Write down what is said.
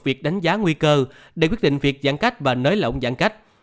việc đánh giá nguy cơ để quyết định việc giãn cách và nới lỏng giãn cách